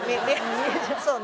そうね。